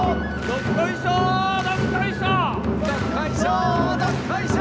どっこいしょ！